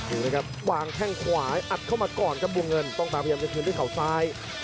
ดูนะครับวางแข้งขวาอัดเข้ามาก่อนครับวงเงินต้องตามพยายามจะคืนด้วยเขาซ้าย